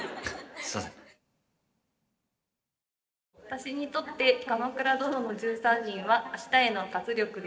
私にとって「鎌倉殿の１３人」は明日への活力でした。